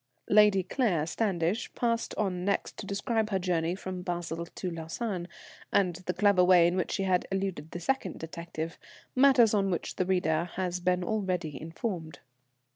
[_Lady Claire Standish passed on next to describe her journey from Basle to Lausanne, and the clever way in which she eluded the second detective matters on which the reader has been already informed.